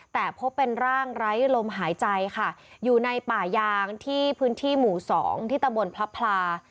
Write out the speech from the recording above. แต่พบเป็นร่างไร้ลมหายใจค่ะอยู่ในป่ายางที่พื้นที่หมู่๒ที่ตะบนพระพลา